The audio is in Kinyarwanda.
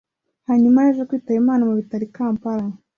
Hanyuma yaje kwitaba Imana mu bitaro i Kampala